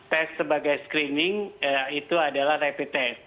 tes sebagai screening itu adalah rapid test